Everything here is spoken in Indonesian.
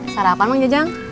sarapan mang jajang